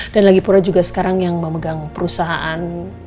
dan lagi pula juga sekarang yang memegang perusahaan